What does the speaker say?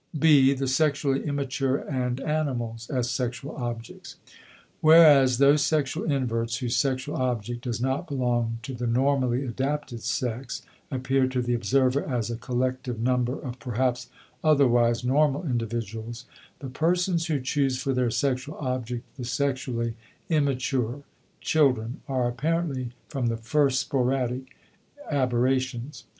B. The Sexually Immature and Animals as Sexual Objects Whereas those sexual inverts whose sexual object does not belong to the normally adapted sex, appear to the observer as a collective number of perhaps otherwise normal individuals, the persons who choose for their sexual object the sexually immature (children) are apparently from the first sporadic aberrations.